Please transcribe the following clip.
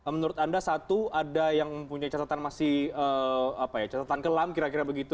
menurut anda satu ada yang punya catatan masih catatan kelam kira kira begitu